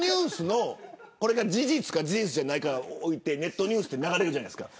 事実か事実じゃないかは置いておいてネットニュースって流れるじゃないですか。